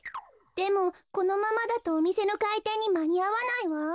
でもこのままだとおみせのかいてんにまにあわないわ。